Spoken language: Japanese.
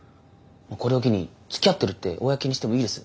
これを機につきあってるって公にしてもいいです。